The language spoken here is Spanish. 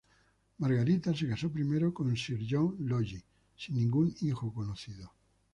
Margarita se casó primero con Sir John Logie, sin ningún hijo conocido.